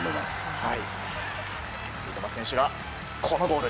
三笘選手、このゴール。